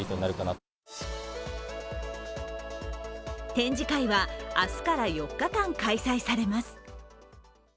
展示会は明日から４日間、開催されます。